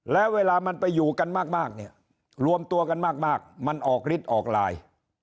แล้วเวลามันไปอยู่กันมากเนี่ยรวมตัวกันมากมันออกฤทธิ์ออกไลน์